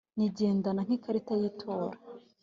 nyigendana nk` ikarita y` itora